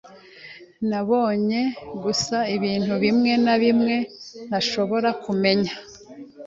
Nabonye gusa ibintu bimwe na bimwe ntashobora kumenya.